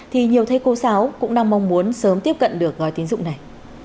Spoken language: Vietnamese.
thì nhiều thế cô giáo cũng đang mong muốn sớm tiếp cận được gói tiến dụng này